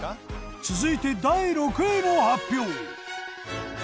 続いて第６位の発表。